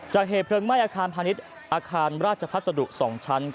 เหตุเพลิงไหม้อาคารพาณิชย์อาคารราชพัสดุ๒ชั้น